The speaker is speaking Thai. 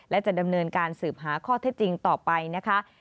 และจะดำเนินการสืบหาข้อเท็จจริงต่อไปนะคะ